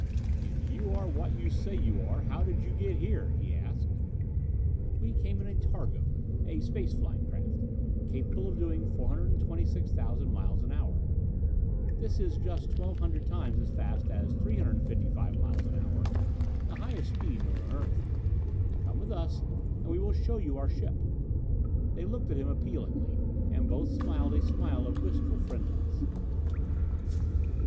"If you are what you say you are, how did you get here?" he asked. "We came in a targo, a space flying ship, capable of doing 426,000 miles an hour. This is just 1200 times as fast as 355 miles an hour, the highest speed known on earth. Come with us and we will show you our ship." They looked at him appealingly, and both smiled a smile of wistful friendliness.